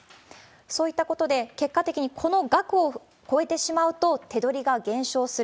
そういったことで、結果的にこの額を超えてしまうと、手取りが減少する。